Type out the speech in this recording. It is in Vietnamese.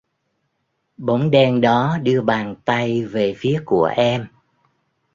Bóng đen đó đưa bàn tay về phía của em